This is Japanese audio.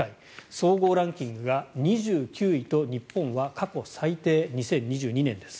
総合ランキングが２９位と日本は過去最低２０２２年です。